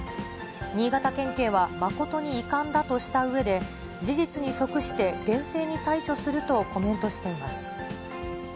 新潟県警は、誠に遺憾だとしたうえで、事実に即して厳正に対処するとコメントしています。